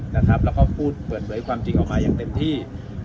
แล้วก็พูดเปิดเผยความจริงออกมาอย่างเต็มที่